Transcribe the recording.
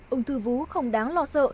ông thư vú không đáng lo sợ